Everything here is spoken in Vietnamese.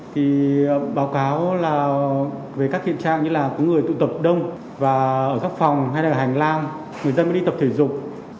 thì báo cáo là về các hiện trạng như là có người tụ tập đông và ở các phòng hay là hành lang người dân đi tập thể dục